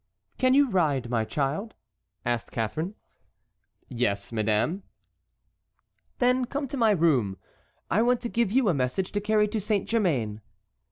"Can you ride, my child?" asked Catharine. "Yes, madame." "Then come into my room. I want to give you a message to carry to Saint Germain."